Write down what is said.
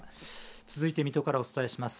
続いて水戸からお伝えします。